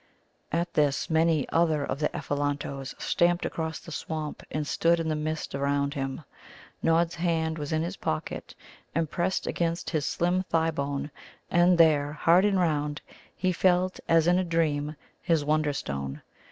At this many other of the Ephelantoes stamped across the swamp and stood in the mist around him. Nod's hand was in his pocket and pressed against his slim thigh bone, and there, hard and round, he felt as in a dream his Wonderstone.